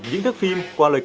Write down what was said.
những thức phim